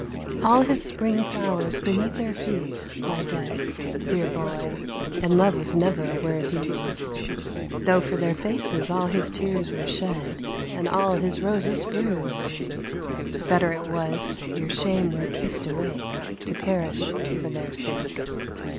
All his spring flowers beneath their feet lie dead, Dear boy, and love was never a word he used, Though for their faces all his tears were shed And all his roses bruised ; Better it was, ere shame were kissed awake To perish for their sake.